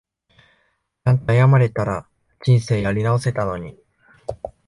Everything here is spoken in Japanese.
ちゃんと謝れたら人生やり直せたのに